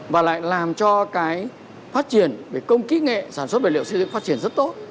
và lại làm cho cái phát triển về công kỹ nghệ sản xuất vật liệu xây dựng phát triển rất tốt